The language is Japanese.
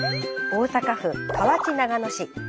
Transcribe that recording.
大阪府河内長野市。